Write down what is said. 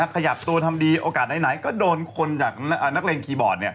ขยับตัวทำดีโอกาสไหนก็โดนคนจากนักเรียนคีย์บอร์ด